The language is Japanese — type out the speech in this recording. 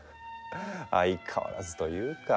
相変わらずというか。